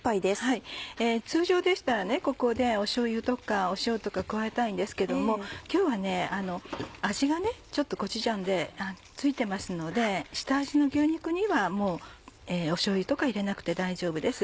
通常でしたらここでしょうゆとか塩とか加えたいんですけども今日は味がちょっとコチュジャンで付いてますので下味の牛肉にはもうしょうゆとか入れなくて大丈夫です。